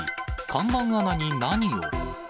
看板アナに何を？